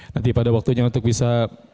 nanti pada waktunya untuk bisa